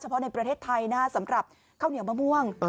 เพราะในประเทศไทยนะสำหรับข้าวเหนียวมะม่วง